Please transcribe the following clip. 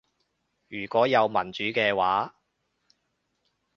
如果有民主嘅話